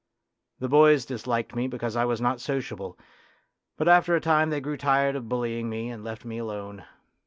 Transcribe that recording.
The boys disliked me because I was not sociable, but after a time they grew tired of bullying me and left me alone.